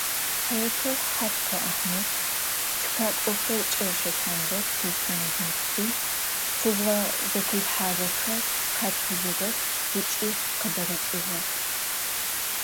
Поэтэу Хьаткъо Ахьмэд, тхакӀохэу КӀэрэщэ Тембот, Кэстэнэ Дмитрий Цыгъо зэхилъхьагъэхэр къатхыжьыгъэх ыкӀи къыдагъэкӀыгъэх.